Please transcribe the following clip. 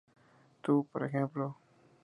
Tú, por ejemplo.